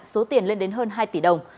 số tiền lên đến hơn hai tỷ đồng